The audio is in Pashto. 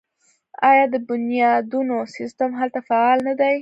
آیا د بنیادونو سیستم هلته فعال نه دی؟